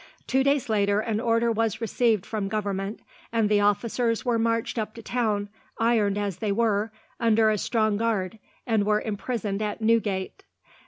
Two days later an order was received from Government, and the officers were marched up to town, ironed as they were, under a strong guard, and were imprisoned at Newgate.